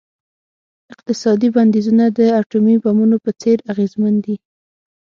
اقتصادي بندیزونه د اټومي بمونو په څیر اغیزمن دي.